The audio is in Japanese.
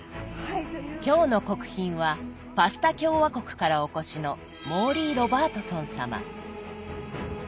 今日の国賓はパスタ共和国からお越しのモーリー・ロバートソン様。